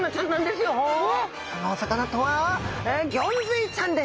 そのお魚とはギョンズイちゃんです！